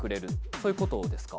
そういうことですか？